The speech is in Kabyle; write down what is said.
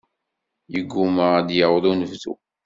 Yegumma ad d-yaweḍ unebdu.